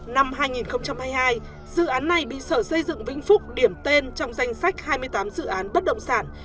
năm hai nghìn hai mươi hai dự án này bị sở xây dựng vĩnh phúc điểm tên trong danh sách hai mươi tám dự án bất động sản